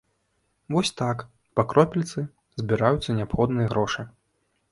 Вось так, па кропельцы, збіраюцца неабходныя грошы.